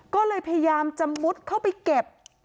ก็เลยพยายามจะมุดเข้าไปเก็บ